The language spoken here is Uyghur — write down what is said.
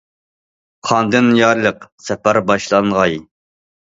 - خاندىن يارلىق، سەپەر باشلانغاي!...